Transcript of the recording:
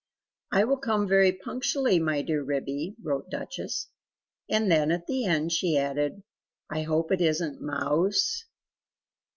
"I will come very punctually, my dear Ribby," wrote Duchess; and then at the end she added "I hope it isn't mouse?"